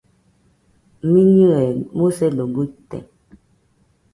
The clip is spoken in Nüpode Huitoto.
Miñɨe musedo guite